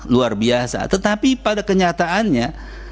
luar biasa tetapi pada kenyataannya